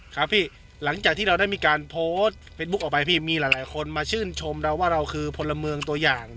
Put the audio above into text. ครับพี่หลังจากที่เราได้มีการโพสต์เฟซบุ๊คออกไปพี่มีหลายคนมาชื่นชมเราว่าเราคือพลเมืองตัวอย่าง